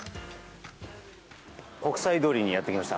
国際通りにやってきました。